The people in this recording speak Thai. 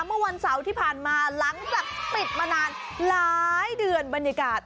เมื่อวันเสาร์ที่ผ่านมาหลังจากปิดมานานหลายเดือนบรรยากาศ